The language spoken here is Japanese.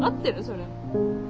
それ。